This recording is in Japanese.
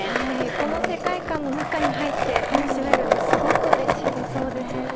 この世界観の中に入って楽しめるのはすごくうれしいですよね。